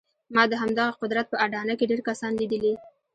ما د همدغه قدرت په اډانه کې ډېر کسان ليدلي.